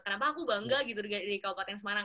kenapa aku bangga gitu di kabupaten semarang